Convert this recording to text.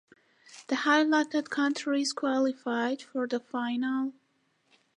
The highlighted countries qualified for the final.